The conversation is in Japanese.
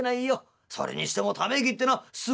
「それにしてもため息ってのはすごいですね」。